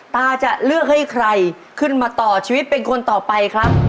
ตาจะเลือกให้ใครขึ้นมาต่อชีวิตเป็นคนต่อไปครับ